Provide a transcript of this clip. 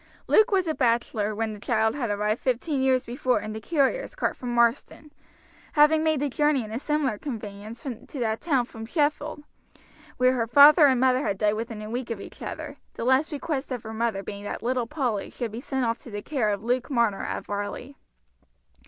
Luke was a bachelor when the child had arrived fifteen years before in the carrier's cart from Marsden, having made the journey in a similar conveyance to that town from Sheffield, where her father and mother had died within a week of each other, the last request of her mother being that little Polly should be sent off to the care of Luke Marner at Varley.